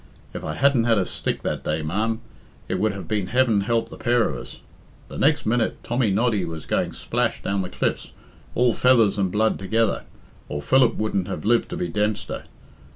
If I hadn't had a stick that day, ma'am, it would have been heaven help the pair of us. The next minute Tommy Noddy was going splash down the cliffs, all feathers and blood together, or Philip wouldn't have lived to be Dempster....